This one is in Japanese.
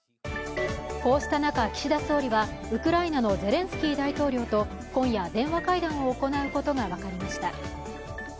こうした中、岸田総理はウクライナのゼレンスキー大統領と今夜、電話会談を行うことが分かりました。